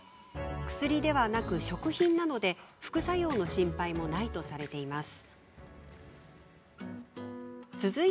薬ではなく食品なので副作用の心配もないとされています。